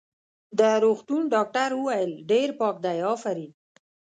د روغتون ډاکټر وویل: ډېر پاک دی، افرین.